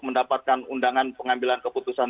mendapatkan undangan pengambilan keputusan